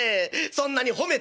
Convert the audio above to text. そんなに褒めて」。